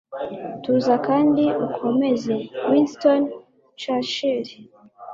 Tuza kandi ukomeze.” - Winston Churchill